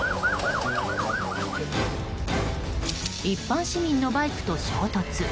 一般市民のバイクと衝突。